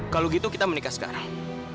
kalau gitu kita menikah sekarang